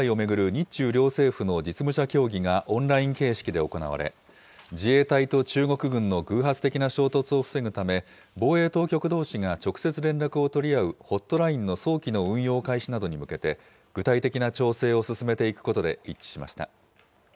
日中両政府の実務者協議がオンライン形式で行われ、自衛隊と中国軍の偶発的な衝突を防ぐため、防衛当局どうしが直接連絡を取り合うホットラインの早期の運用開始などに向けて、具体的な調整を進めていくことで一致しました。